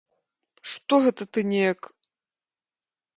Што гэта ты неяк?